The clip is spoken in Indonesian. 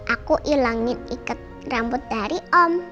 aku hilangin ikat rambut dari om